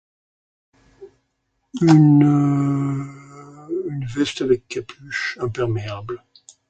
veste et capuche